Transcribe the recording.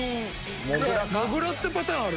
もぐらってパターンある？